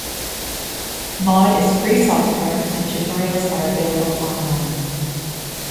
Maude is free software, and tutorials are available online.